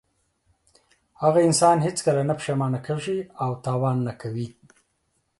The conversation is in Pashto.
هغه انسان هېڅکله نه پښېمانه کیږي او تاوان نه کوي.